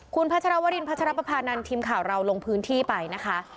คุณพัชรวรินพัชรปภานันทีมข่าวเราลงพื้นที่ไปนะคะ